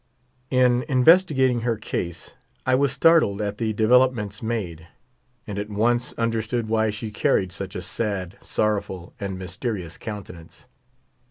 In investigating her case I was startled at the devel opments made, and at once understood why she carried such a sad, sorrowful, and mysterious countenance.